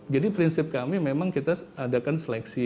jadi prinsip kami memang kita adakan seleksi